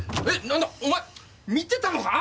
なんだお前見てたのか！？